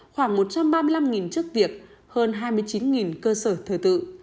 khoảng một trăm ba mươi năm chức việc hơn hai mươi chín cơ sở thờ tự